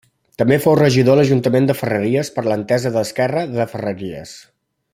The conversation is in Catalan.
També fou regidor a l'Ajuntament de Ferreries per l'Entesa de l'Esquerra de Ferreries.